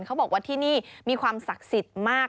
เขาบอกว่าที่นี่มีความศักดิ์สิทธิ์มาก